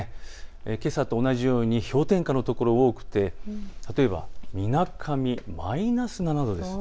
けさと同じように氷点下の所多くて、例えばみなかみマイナス７度です。